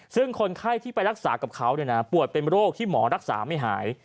ซึ่งคนไข้ที่ไปรักษากับเขาป่วยเป็นโรคที่หมอรักษาไม่หาย